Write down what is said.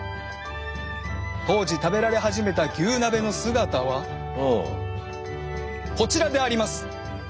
当時食べられ始めた牛鍋の姿はこちらであります！